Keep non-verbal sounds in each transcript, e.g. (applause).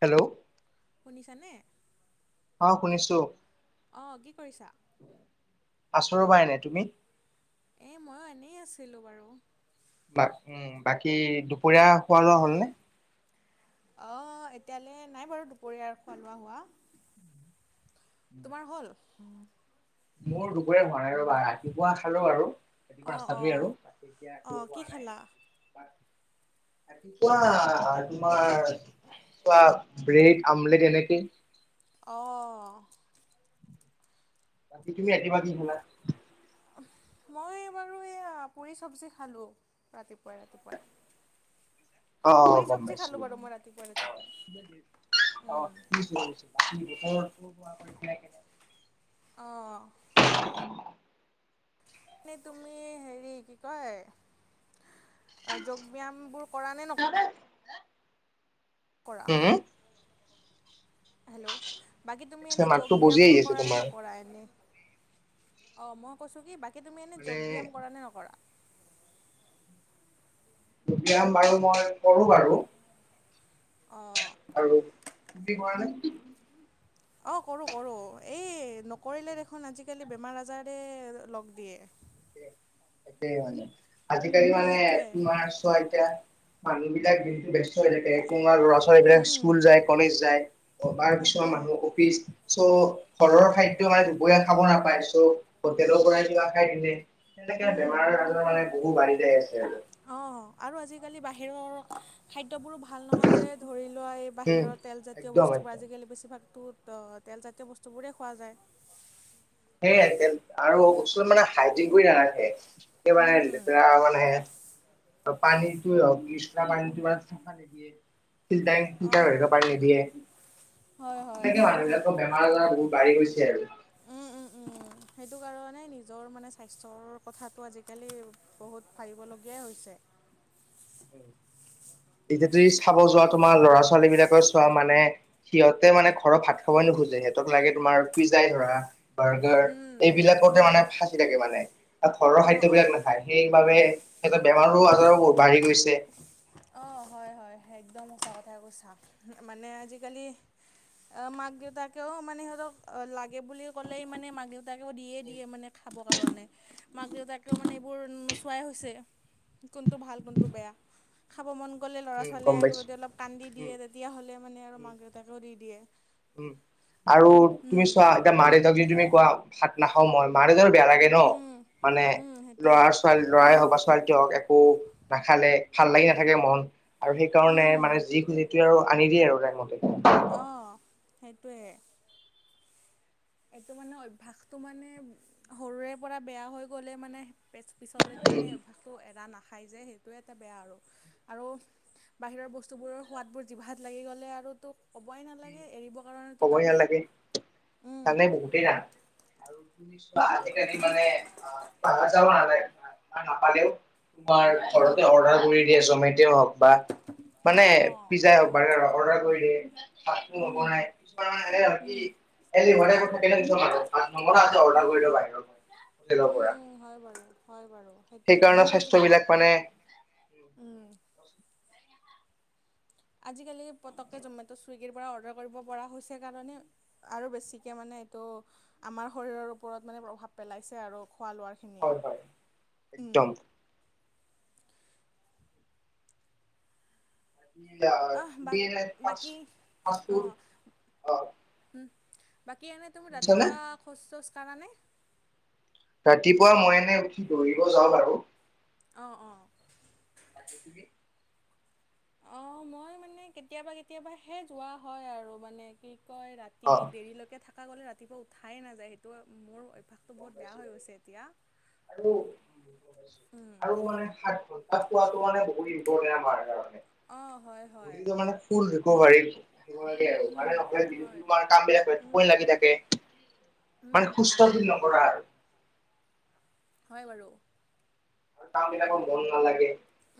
Hello শুনিছা নে? অ শুনিছো। অ কি কৰিছা? আছো ৰবা এনেই, তুমি? এই মইো এনেই আছিলোঁ বাৰু। বা উম বাকী দুপৰীয়া খোৱা লোৱা হ'ল নে? অঁ এতিয়ালে নাই বাৰু দুপৰীয়া খোৱা লোৱা হোৱা। তোমাৰ হ'ল? উম মোৰ দুপৰিয়া হোৱা নাই ৰবা ৰাতিপুৱা খালো আৰু। তেতিুৱা অঁ ৰাস্তাতোৱে অঁ আৰু তাক এতিয়া একো অঁ কি পোৱা নাই। খালা? ৰাতিপোৱা তোমাৰ কোৱা ব্ৰেড আমলেট এনেকে অঁহ। তুমি ৰাতিপোৱা কি খালা? মই বাৰু এইয়া পুৰি চব্জি খালোঁ ৰাতিপুৱাই ৰাতিপুৱাই। পুৰি চব্জি অহ খালোঁ বাৰু মই ৰাতিপুৱাই ৰাতিপুৱাই। গমপাইছোঁ। অ (inaudible) অঁ। এনেই তুমি হেৰি কি কয় যোগ ব্যায়ামবোৰ কৰা নে নক কৰা? হেল্ল বাকী তুমি এনেই মাতটো যোগ বজি আহি ব্যায়ামবোৰ আছে কৰা নে তোমাৰ নকৰা এনেই? অঁ মই কৈছোঁ কি বাকী তুমি এনেই মানে যগ ব্যায়াম কৰা নে নকৰা। ব্যায়াম বাৰু মই কৰো বাৰু। অঁহ। আৰু তুমি কৰা নে? অঁ কৰোঁ কৰোঁ, এই নকৰিলে দেখোন আজিকালি বেমাৰ আজাৰে লগ দিয়ে। সেই মানে, আজিকালি মানে সেইটোৱে তোমাৰ ছোৱা এতিয়া মানুহ বিলাক দিনটো ব্যস্ত হৈ থাকে। তোমাৰ ল'ৰা-ছোৱালী বিলাক উম স্কুল যায়, কলেজ যায়, তাৰ কিছুমান সেইটোৱে মানুহ অফিচ চ ঘৰৰ খাদ্য মানে দুপৰীয়া খাব নাপায়, চ হোটেলৰ পৰাই কিবা খাই দিলে সেনেকে উম বেমাৰ-আজাৰ মানে বহু বাঢ়ি যাই আছে আৰু। অ', আৰু আজিকালি বাহিৰৰ খাদ্যবোৰো ভাল ভাল নহয় যে, ধৰি লোৱা এই উম বাহিৰৰ তেলজাতীয় একদম বস্তুবোৰ একদম আজিকালি বেছিভাগটো ত, তেলজাতীয় বস্তুবোৰেই খোৱা যায়। সেই আজিকালি আৰু কিছুমান মানে হাইজিন কৰি নাৰাখে। উম সেইকাৰণে ৰা মানে, পানীতোৱে হওক, কিছুমান পানীতো চফা নিদিয়ে। ফিল্টাৰ-ফিল্টাৰ অঁ হৈ থকা পানী নিদিয়ে। হয় হয় সেনেকে সেইটো মানুহবিলাকৰ বেমাৰ-আজাৰ বহুত বাঢ়ি গৈছে আৰু। উম, উম, উম, সেইটো কাৰণে নিজৰ মানে, স্বাস্থ্যৰ কথাটো আজিকালি বহুত ভাবিবলগীয়াই হৈছে। এতিয়া তুমি চাব যোৱা, তোমাৰ ল'ৰা-ছোৱালী বিলাকৰ চোৱা মানে সিহঁতে মানে ঘৰত ভাত খাবই নোখোজে, সিহঁতক লাগে তোমাৰ পিজাই ধৰা। বাৰ্গাৰ, উম, এইবিলাকতে উম। মানে ফাঁচি থাকে মানে। আৰু ঘৰৰ অ', খাদ্যবিলাক অ'। নাখায়, সেইবাবে সিহঁতৰ বেমাৰো-আজাৰো বহুত বাঢ়ি গৈছে। অ', হয়-হয়। একদম সঁচা কথা কৈছা, মানে আজিকালি অ', মাক-দেউতাকেও মানে সিহঁতক লাগে বুলি ক'লেই, মানে মাক-দেউতাকেও দিয়ে-দিয়ে মানে। খাবৰ কাৰণে, মাক-দেউতাকেও মানে এইবোৰ নোচোৱাই হৈছে। কোনটো ভাল, কোনটো বেয়া। খাব মন গ'লে উম হ'লে গম আকৌ পাইছো যদি অলপ কান্দি উম দিয়ে, তেতিয়াহ'লে মানে আৰু উম। মাক-দেউতাকেও দি দিয়ে। উম, আৰু তুমি উম। চোৱা এতিয়া মাক-দেউতাক যদি তুমি কোৱা ভাত নাখাওঁ মই, মা-দেউতাৰো বেয়া লাগে ন। উম, মানে উম, সেইটোৱে ল'ৰা-ছোৱালী, ল'ৰাই হওক বা ছোৱালী কিয়, একো নাখালে ভাল লাগি নাথাকে মন, আৰু সেইকাৰণে উম, মানে যি খুজে, যেতিয়াও আৰু আনি দিয়ে আৰু টাইম মতে। অ', সেইটোৱেই। এইটো মানে অভ্যাসটো মানে সৰুৰে পৰা বেয়া হৈ গ'লে মানে পেছ-পিছলৈকে মানে অভ্যাসটো এৰা নাখায় যে, সেইটোৱে এটা বেয়া আৰু, আৰু বাহিৰৰ বস্তু বোৰৰ সোৱাদবোৰ জিভাত লাগি গ'লে আৰু তোক ক'বই নালাগে, এৰিব ক'বই নালাগে, জানে বহুতেই জান আৰু কিন্তু আজিকালি মানে আহ, বাহিৰ যাব নালাগে বা নাপালেও তোমাৰ উম, ঘৰতে অৰ্ডাৰ কৰি দিয়ে, জমেট' হওক বা মানে অ', অ', পিজ্জাই হয়, হওক, হয়, বাৰ্গাৰ অৰ্ডাৰ কৰি দিয়ে, ফাষ্টফুড হ'ব উম, নাই তোমাৰ এনে মানে কি উম, এই যি (unintelligible) অৰ্ডাৰ কৰি দিওঁ কৰি উম, বাহিৰৰ। লৰ উম, পৰা। উম, হয় বাৰু, হয় বাৰু। সেইটোৱে সেইকাৰণে স্বাস্থ্য বিলাক মানে উম। আজিকালি পটকে জমেটো', চুইগীৰ পৰা অৰ্ডাৰ কৰিব পৰা হৈছে কাৰণে আৰু বেছিকে মানে এইটো আমাৰ শৰীৰৰ ওপৰত মানে প্ৰভাৱ পেলাইছে আৰু খোৱা লোৱাৰ। হয় খিনিয়ে, হয় উম। একদম তুমি আহ, এনে ফাষ্ট বা-বাকী ফাষ্ট ফুড অ' অ উম, বাকী এনেই তুমি, শুনিছানে ৰাতিপুৱা খোজ-চোজ কাঢ়াণে? ৰাতিপুৱা মই এনেই উঠি, দৌৰিব যাওঁ বাৰু। অ'-অ'। (unintelligible) অ', মই মানে কেতিয়াবা-কেতিয়াবাহে যোৱা হয় আৰু, মানে কি কয় ৰাতি ৰাতি অ দেৰিলৈকে থকা গ'লে ৰাতিপুৱা উঠাই নাযায়, সেইটো মোৰ অভ্যাস গম পাইছো বাৰু উম, আৰু-আৰু মানে সাত (unintelligible) কাম অঁ হয় হয় উম হয় বিলাক হয় উম, টোপনি লাগি থাকে। উম, মানে উম, উম, খুস্থকা ভাবে নকৰা আৰু হয় বাৰু। আৰু কাম বিলাকত মন নালাগে।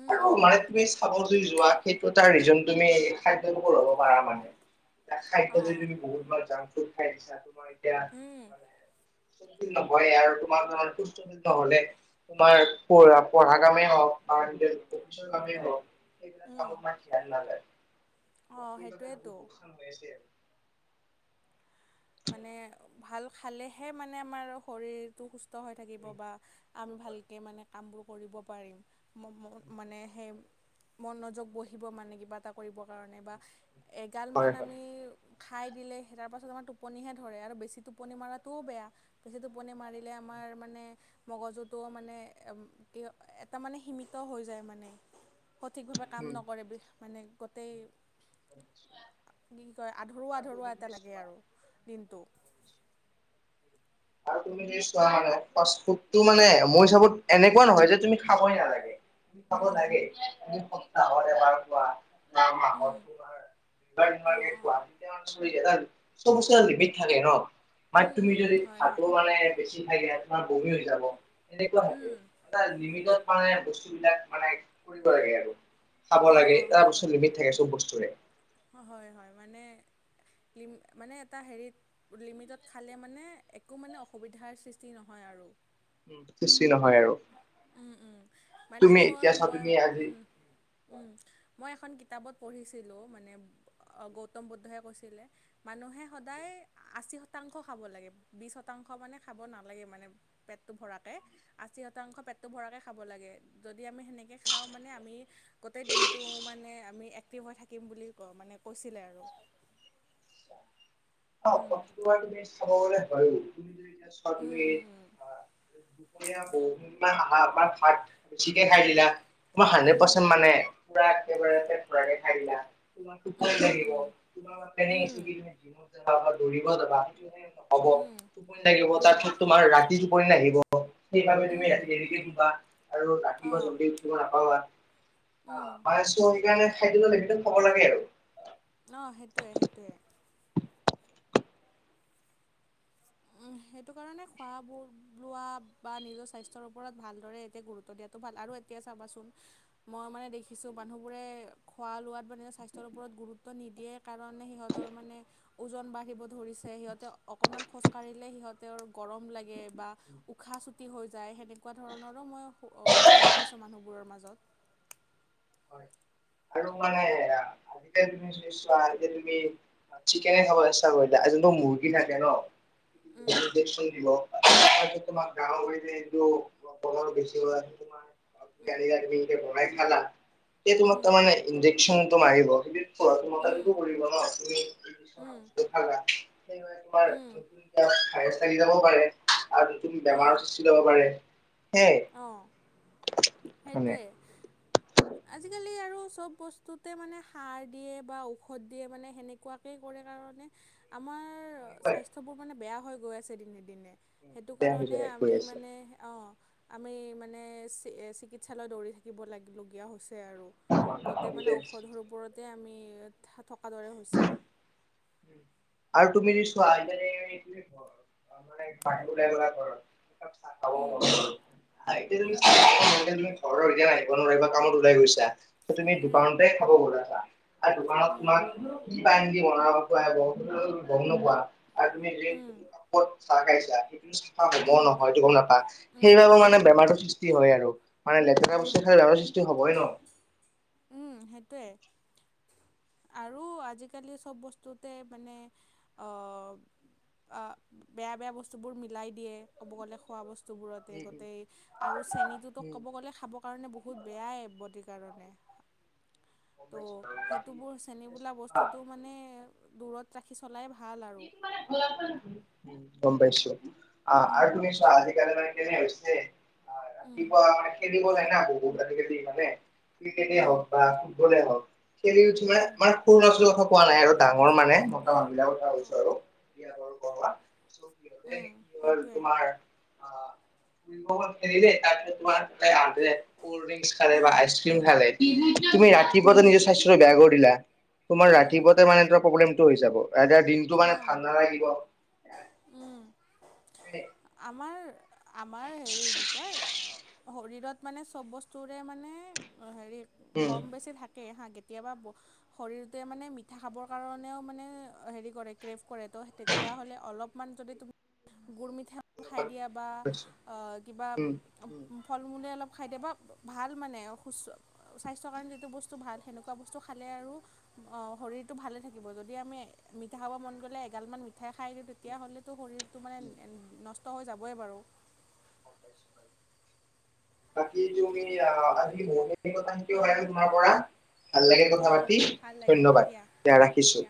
উম, আৰু উম, মানে উম, তুমি চাব যদি যোৱা সেইটো এটা ৰিজন তুমি। খাদ্য ল'ব পাৰা মানে এতিয়া খাদ্য যদি অ'। তুমি বহুতবাৰ জংক ফুড খাই দিছা তোমাৰ এতিয়া উম। নহয় আৰু তোমাৰ ধৰ হলে তোমাৰ পঢ পঢ়া কামেই হওঁক বা অফিচৰ কামেই হওঁক সেইবিলাক উম কামত ইমান ধ্যান নাযায়। অ', এই বাগে বহু সেইটোৱেতো। দুখান হৈ আছে আৰু মানে ভাল। খালেহে মানে আমাৰ শৰীৰটো সুস্থ হৈ থাকিব বা আৰু আমি ভালকে মানে কামবোৰ কৰিব পাৰিম ম মানে সেই মনোযোগ বহিব মানে কিবা এটা কৰিবৰ কাৰণে বা হয় এগালমান হয় আমি খাই দিলে সেই তাৰপাছত আমাৰ টো টোপনিহে ধৰে আৰু বেছি টোপনি মৰাটোও বেয়া বেছি টোপনি মাৰিলে আমাৰ মানে মগজুটো মানে এটা মানে সীমিত হৈ যায় মানে। সঠিকভাৱে কাম উম। নকৰে মানে গোটেই কি কয় আধৰুৱা আৰু আধৰুৱা এটা লাগে আৰু দিনটো। আৰু তুমি ফাৰ্ষ্ট ফুড মানে মোৰ হিচাপত এনেকুৱা নহয় যে তুমি খাবই নালাগে। খাব উম লাগে দুসপ্তাহ এবাৰ খোৱা। মাহত উম, তোমাৰ অ', অ', খোৱা চব বস্তু এটা লিমিট থাকে ন, মানে উম, তুমি উম, উম, যদি হয়, ভাতো হয়, মানে বেছি থাই দিলে তোমাৰ বমি হৈ যাব সেনেকুৱা থাকে উম, এটা লিমিটত মানে বস্তুবিলাক মানে কৰিব লাগে আৰু খাব অ', লাগে অ', এটা হয় বস্তু বাৰু, লিমিট থাকে চব বস্তুৰে। হয় হয় মানে লি মানে এটা হেৰিত লিমিটত খালে মানে একো মানে অসুবিধাৰ সৃষ্টি নহয় আৰু। উম বেছি নহয় আৰু। মানে তুমি মই এতিয়া চোৱা মই তুমি আজি মই এখন কিতাপত পঢ়িছিলোঁ মানে গৌতম বুদ্ধই কৈছিলে। মানুহে সদায় আশী শতাংশ খাব লাগে বিশ শতাংশ মানে খাব নালাগে মানে। পেটটো ভৰাকে। আশী শতাংশ পেটটো ভৰাকৈ খাব লাগে যদি আমি সেনেকৈ খাওঁ মানে আমি গোটেই দিনটো মানে আমি এক্টিভ হৈ থাকিম বুলি ক মানে কৈছিলে আৰু। অ উম, প্ৰতিটোবাৰ তুমি চাব গলে হয় তুমি যদি এতিয়া চোৱা তুমি উম, ব ভাত বেছিকে খাই দিলা তোমাৰ হাড্ৰেড উম, পাৰ্চেণ্ট মানে পুৰা একেবাৰে পেট ভৰাকে খাইদিলা তোমাৰ উম, টোপনি উম, উম, লাগিব। তোমাৰ তেনে কি উম, উম, তুমি দৌৰিব যাবা বা হ'ব উম, উম, টোপনি লাগিব তাৰপিছত তোমাৰ ৰাতি টোপনি লাগিব (inaudible) সেইবাবে তুমি উম, ৰাতি দেৰিকে শুবা আৰু ৰাতিপুৱা অ', জল্দি নাপাবা উম। আহ পাইছো সেইকাৰণে খাদ্যত ব খাব লাগে আৰু অ' সেইটোৱে সেইটোৱে উম সেইটো কাৰণে খোৱাবোৰ লোৱা বা নিজৰ স্বাস্থ্যৰ ওপৰত ভালদৰে এতিয়া গুৰুত্ব দিয়াতো ভাল আৰু এতিয়া চাবাচোন। মই মানে দেখিছোঁ মানুহবোৰে খোৱা লোৱাত মানে স্বাস্থ্যৰ ওপৰত গুৰুত্ব নিদিয়ে। কাৰণ মানে সিহঁতৰ মানে ওজন বাঢ়িব ধৰিছে সিহঁতে অক কণমান খোজ কাঢ়িলে সিহঁতে আৰু গৰম লাগে বা। উশাহ চুটি হৈ যায় সেনেকুৱা ধৰণৰো মই অসুবিধা দেখিছোঁ মানুহবোৰৰ মাজত। (inaudible) চোৱা আজিকালি চিকেনে খাব লাগে (unintelligible) জোনটো মুৰ্গী থাকে ন উম ইনজেকচন দিব উম (unintelligible) (inaudible) ইনজেকচনটো মাৰিব (unintelligible) উম উম সেইবাবে উম তোমাৰ (unintelligible) থাকি যাবও পাৰে আৰু নতুন বেমাৰৰ সৃষ্টি হ'ব পাৰে। সেয়াই অ' মানে সেইটোৱে। আজিকালি আৰু চব বস্তুতে মানে সাৰ দিয়ে বা ঔষধ দিয়ে মানে সেনেকুৱা। কৈ কৰে কাৰণে আমাৰ স্বাস্থ্যবোৰ মানে বেয়া হৈ গৈ আছে দিনে দিনে। সেইটো বেয়া হৈ কাৰণে যায় গৈ আমি আছে মানে অ'- আমি মানে চ চিকিৎসালয় দৌৰি থাকিব লাগ-লগীয়া হৈছে আৰু। গোটেই মানে ঔষধৰ ওপৰতে আৰু আমি থকা দৰে হৈছে। আৰু তুমি যদি চোৱা (unintelligible) অ' মানে বাহিৰ ওলাই গলা (unintelligible) চাহ খাব মন উম গল উম (unintelligible) ঘৰৰ এতিয়া আহিব নোৱাৰিলা কামত ওলাই গৈছা। এ‌ তুমি উম দোকানতে খাব গলা চাহ আৰু দোকানত কিমান (inaudible) উম ক'ত চাহ খাইছা সেইটো চাফা হ'ব উম নহয় (unintelligible) উম সেইবাবে মানে উম বেমাৰটো সৃষ্টি হয় আৰু, মানে লেতেৰা বস্তু উম খালে বেমাৰৰ সৃষ্টি হ'বই ন। উম সেইটোৱে। আৰু আজিকালি চব বস্তুতে মানে অ অ' বেয়া বেয়া বস্তুবোৰ মিলাই দিয়ে, ক'ব গ'লে খোৱা বস্তুবোৰতে উম উম গোটেই। আৰু চেনীটোতো উম ক'ব গ'লে খাবৰ কাৰণে বহুত বেয়াই বডিৰ কাৰণে। গম ত' পাইছো বাৰু বাকী সেইটোবোৰ চেনী বোলা বস্তুটো মানে দূৰত ৰাখি চলাই ভাল আৰু। (unintelligible) গম পাইছোঁ। আ আৰু উম তুমি চোৱা আজিকালি মানে কেনে হৈছে আ উম ৰাতিপুৱা মানে সেই (unintelligible) ক্ৰিকেটে হওক উম বা ফুটবলে হওক। খেলি উঠি মানে উম মানে সৰু লৰা ছোৱালীৰ কথা কোৱা নাই আৰু ডাঙৰ মানে মতা অঁ মানুহ বিলাকৰ কথা কৈছোঁ। অঁ বিয়া বাৰু কৰোৱা, চ সিহঁতে উম কি হ'ল সেইটোৱে তোমাৰ অ' ফুৰিব গ'ল খেলিলে তাৰ পিছত তোমাৰ (unintelligible) কোল্ড ড্ৰিংকচ খালে বা উম আইচক্ৰীম খালে (unintelligible) তুমি উম ৰাতিপুৱা নিজৰ সাস্থ্য (unintelligible) দিলা, তোমাৰ উম ৰাতিপুৱাতে মানে তোমাৰ ৰ প্ৰব্লেমটো হৈ যাব (unintelligible) (unintelligible) মানে অঁ ঠাণ্ডা লাগিব। উম আমাৰ আমাৰ হেৰি কি কয় শৰীৰত মানে চব বস্তুৰে মানে হেৰি উম কম বেছি থাকেই হা কেতিয়াবা ব শৰীৰটোৱে মানে মিঠা খাবৰ কাৰণেও মানে হেৰি কৰে ক্ৰেভ কৰে ত' তেতি তেতিয়া হ'লে অলপমান যদি তুমি গুৰ মিঠা খাই দিয়ে বা অ'কিবা উম উম। ফল-মূলে অলপ খাই দিয়ে বা ভাল অ' মানে সুস্ব স্বাস্থ্যৰ কাৰণে যিটো বস্তু ভাল সেনেকুৱা বস্তু খালে আৰু অ' শৰীৰটো ভালে থাকিব, যদি আমি মিঠা খাব মান গ'লে এগাল মান মি মিঠাই খাই দিওঁ তেতিয়াহ'লেতো শৰীৰটো মানে নষ্ট হৈ যাবই বাৰু। (inaudible) বাকি তুমি আ, (unintelligible) (unintelligible) কথা হা শিকিব হা পাৰিলোঁ তোমাৰ পৰা, ভাল লাগে কথা অঁ অঁ পাতি ভাল লাগিল ধন্যবাদ, দিয়া ৰাখিছো।